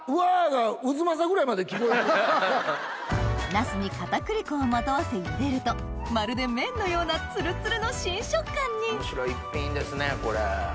ナスに片栗粉をまとわせゆでるとまるで麺のようなつるつるの新食感に面白い一品ですねこれ。